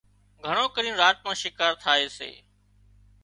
گھڻو ڪرينَ راچ نان شڪار ٿائي سي